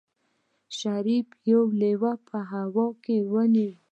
شريف لېوه په هوا کې ونيو.